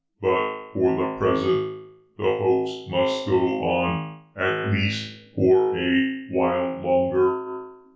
But for the present, the hoax must go on, at least for a while longer.